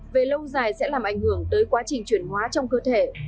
về lâu dài sẽ làm ảnh hưởng tới quá trình chuyển hóa trong cơ thể